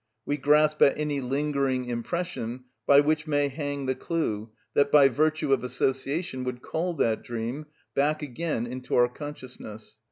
We grasp at any lingering impression by which may hang the clue that by virtue of association would call that dream back again into our consciousness.